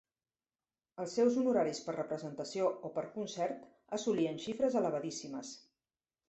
Els seus honoraris per representació o per concert assolien xifres elevadíssimes.